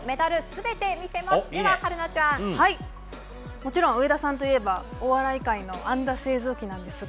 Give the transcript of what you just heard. もちろん上田さんといえばお笑い界の安打製造機ですが。